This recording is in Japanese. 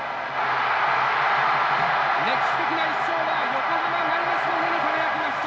歴史的な１勝は横浜マリノスの胸に輝きました！